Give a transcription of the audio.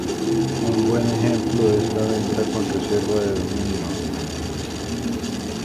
Un buen ejemplo es la venta con reserva de dominio.